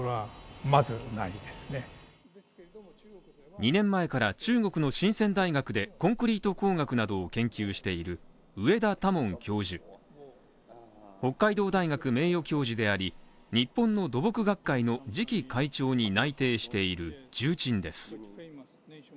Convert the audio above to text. ２年前から中国の深セン大学で、コンクリート工学などを研究している上田多門教授、北海道大学名誉教授であり、日本の土木学会の次期会長に内定している重鎮です。